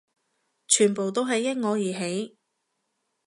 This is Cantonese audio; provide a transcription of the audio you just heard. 全部都係因我而起